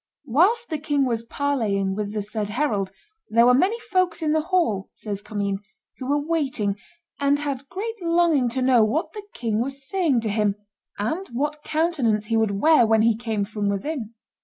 "Whilst the king was parleying with the said herald, there were many folks in the hall," says Commynes, "who were waiting, and had great longing to know what the king was saying to him, and what countenance he would wear when he came from within.